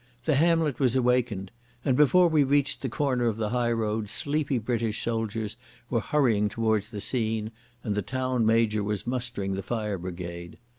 The hamlet was awakened, and before we reached the corner of the highroad sleepy British soldiers were hurrying towards the scene, and the Town Major was mustering the fire brigade.